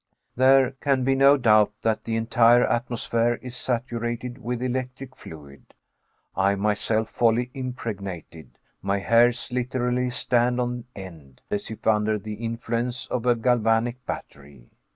There can be no doubt that the entire atmosphere is saturated with electric fluid; I am myself wholly impregnated; my hairs literally stand on end as if under the influence of a galvanic battery.